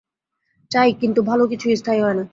চাই, কিন্তু ভালো কিছুই স্থায়ী হয় না।